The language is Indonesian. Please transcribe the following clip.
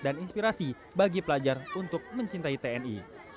dan inspirasi bagi pelajar untuk mencintai tni